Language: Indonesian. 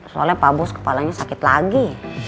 soalnya pak bos kepalanya sakit lagi